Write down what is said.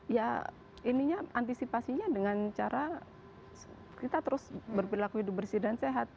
ya ininya antisipasinya dengan cara kita terus berperilaku hidup bersih dan sehat